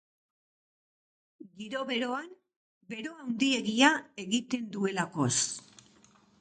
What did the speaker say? Giro beroan, bero handiegia egiten duelakoz.